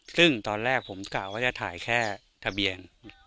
ซึ่งตอนแรกผมกล่าวว่าจะถ่ายแค่ทะเบียน